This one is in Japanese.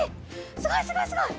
すごいすごいすごい。